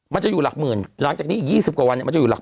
มันจะอยู่หลักหมื่นหลังจากนี้อีก๒๐กว่าวันมันจะอยู่หลัก